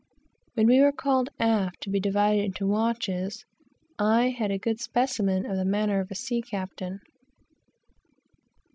When we were called aft to be divided into watches, I had a good specimen of the manner of a sea captain.